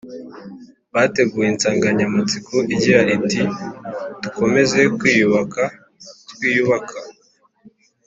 bateguye insangamatsiko igira iti dukomeze kwiyubaka twiyubaka